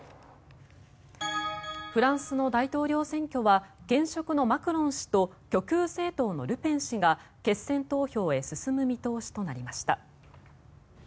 フランスの大統領選挙は現職のマクロン氏と極右政党のルペン氏が決選投票へ進む見通しとなりました。